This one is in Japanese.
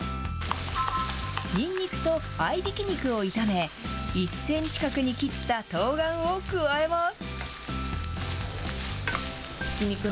にんにくと合いびき肉を炒め、１センチ角に切ったとうがんを加えます。